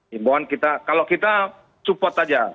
himboan kita kalau kita support aja